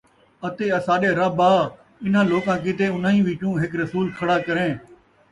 اَتے اَساݙے رَب آ! انھاں لوکاں کیتے اُنھائیں وِچوں ہِک رسول کھڑا کریں،